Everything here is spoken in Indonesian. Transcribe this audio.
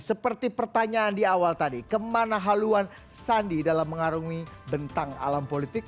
seperti pertanyaan di awal tadi kemana haluan sandi dalam mengarungi bentang alam politik